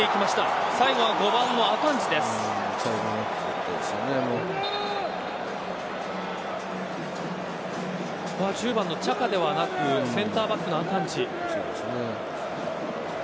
ここは１０番のチャカではなくセンターバックのアカンジ。